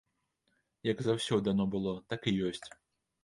Як заўсёды яно было, так і ёсць.